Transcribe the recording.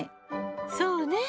そうね。